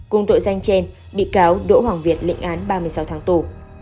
cùng tội danh trên bị cáo đỗ hoàng việt lịnh án ba mươi sáu tháng tù